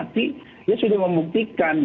dia sudah membuktikan